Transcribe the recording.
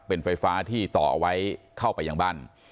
เป็นไฟฟ้าที่ต่อเอาไว้เข้าไปยังบ้าน